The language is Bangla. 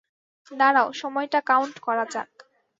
দাঁড়াও, সময়টা কাউন্ট করা যাক।